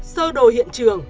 sơ đồ hiện trường